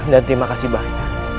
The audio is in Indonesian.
dan terima kasih banyak